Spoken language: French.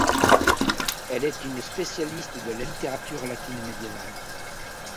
Elle est spécialiste de la littérature latine médiévale.